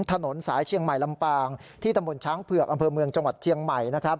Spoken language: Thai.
ถนนสายเชียงใหม่ลำปางที่ตำบลช้างเผือกอำเภอเมืองจังหวัดเชียงใหม่นะครับ